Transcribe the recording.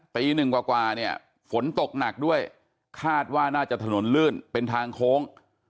ปี๑กว่าฝนตกหนักด้วยคาดว่าน่าจะถนนลื่นเป็นทางโค้ง